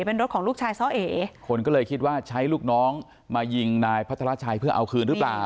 เป็นรถของลูกชายซ้อเอคนก็เลยคิดว่าใช้ลูกน้องมายิงนายพัฒนาชัยเพื่อเอาคืนหรือเปล่า